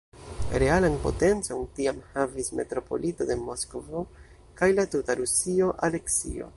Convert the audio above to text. Realan potencon tiam havis metropolito de Moskvo kaj la tuta Rusio "Aleksio".